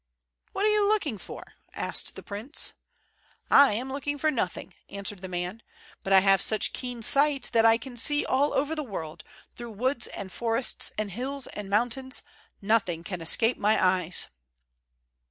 "What are you looking for?" asked the prince. "I am looking for nothing," answered the man. "But I have such keen sight that I can see all over the world, through woods and forests, and hills and mountains; nothing can escape my eyes."